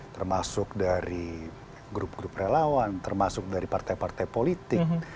termasuk dari grup grup relawan termasuk dari partai partai politik